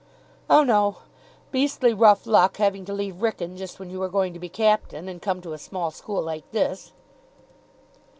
"Oh, no. Beastly rough luck having to leave Wrykyn just when you were going to be captain, and come to a small school like this."